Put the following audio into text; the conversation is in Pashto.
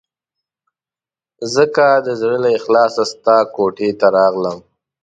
ځکه د زړه له اخلاصه ستا کوټې ته راغلم.